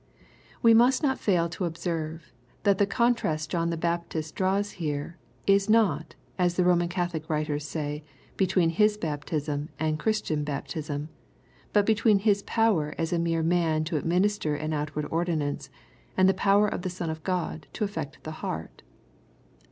] We mast not fail to ol)serve that the contrast John the Baptist draws here, iS not as the Ro man CathoUc writers oay, between his baptism and Christian bap tism, but between his power as a mere man to administer an outward ordinance, and the power of Christ the Son of Qod to affect the heart.